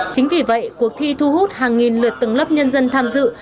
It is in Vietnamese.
chính vì vậy cuộc thi thu hút hàng nghìn lượt từng lớp nhân dân tham dự